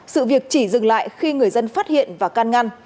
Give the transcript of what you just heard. sự việc chỉ dừng lại khi người dân phát hiện và can ngăn